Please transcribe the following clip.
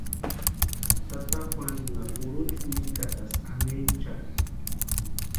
Tata Juanunha kurucha wirikatasï anhinchatʼi.